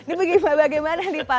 ini bagaimana nih pak